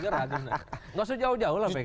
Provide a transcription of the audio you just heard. tidak sejauh jauh lah pks